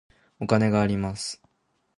お金があります。